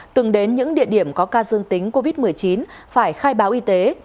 từng đến những địa điểm có ca dương tính covid một mươi chín phải khai báo y tế